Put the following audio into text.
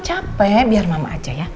capek biar mama aja ya